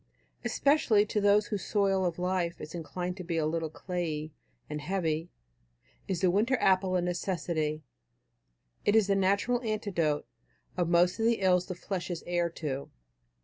Especially to those whose soil of life is inclined to be a little clayey and heavy, is the apple a winter necessity. It is the natural antidote of most of the ills the flesh is heir to.